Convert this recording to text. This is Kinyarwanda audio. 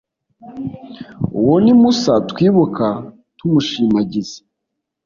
uwo ni musa twibuka tumushimagiza